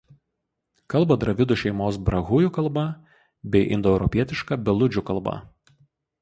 Kalba dravidų šeimos brahujų kalba bei indoeuropietiška beludžių kalba.